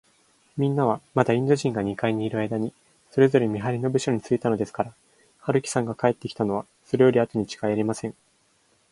みんなは、まだインド人が二階にいるあいだに、それぞれ見はりの部署についたのですから、春木さんが帰ってきたのは、それよりあとにちがいありません。